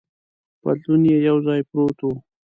پتلون یې یو ځای پروت و.